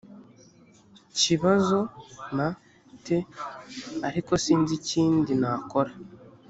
kibazo m te ariko sinzi ikindi nakora